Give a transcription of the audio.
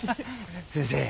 先生。